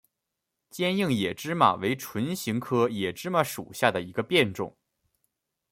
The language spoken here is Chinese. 坚硬野芝麻为唇形科野芝麻属下的一个变种。